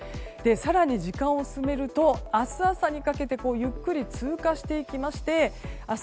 更に、時間を進めると明日朝にかけてゆっくり通過していきまして明日